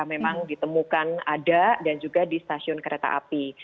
memang ditemukan ada dan juga di stasiun kereta api